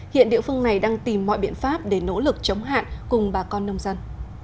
hiện địa phương này đang tìm mọi biện pháp để nỗ lực chống hạn cùng bà con nông dân